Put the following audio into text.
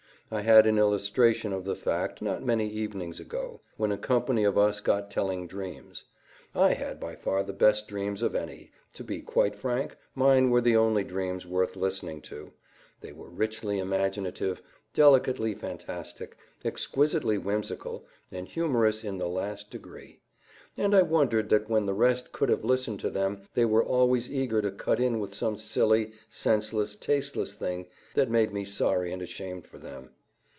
I had an illustration of the fact, not many evenings ago, when a company of us got telling dreams. I had by far the best dreams of any; to be quite frank, mine were the only dreams worth listening to; they were richly imaginative, delicately fantastic, exquisitely whimsical, and humorous in the last degree; and I wondered that when the rest could have listened to them they were always eager to cut in with some silly, senseless, tasteless thing that made me sorry and ashamed for them.